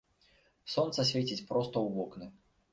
Сонца свеціць проста ў вокны.